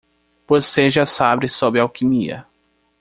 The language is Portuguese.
Você já sabe sobre alquimia.